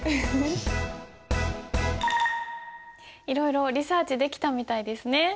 いろいろリサーチできたみたいですね。